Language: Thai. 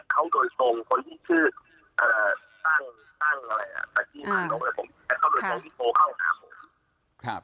มีการโทรมาว่าเขาบุริษัทว่าผมโทรเข้าหาเขาใช่ไหมครับ